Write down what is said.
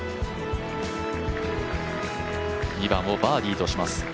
２番をバーディーとします。